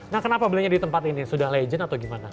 nah kenapa belinya di tempat ini sudah legend atau gimana